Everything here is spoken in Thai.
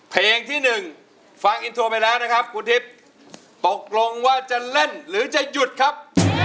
เพลงที่๑ฟังอินโทรไปแล้วนะครับคุณทิพย์ตกลงว่าจะเล่นหรือจะหยุดครับ